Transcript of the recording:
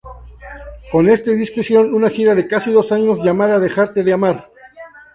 Con este disco hicieron una gira de casi dos años llamada "Dejarte de Amar".